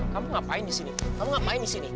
kamu ngapain disini kamu ngapain disini